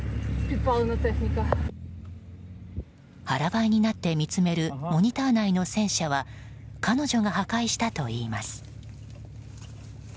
腹ばいになって見つめるモニター内の戦車は彼女が破壊したといいます。